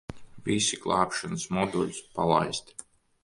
Visi glābšanas moduļi palaisti.